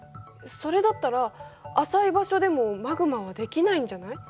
それだったら浅い場所でもマグマはできないんじゃない？